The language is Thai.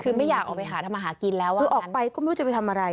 คือไม่อยากออกไปหาทำอาหารกินแล้วคือออกไปก็ไม่รู้จะไปทำอะไร